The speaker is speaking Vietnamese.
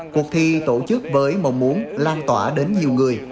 cuộc thi tổ chức với mong muốn lan tỏa đến nhiều người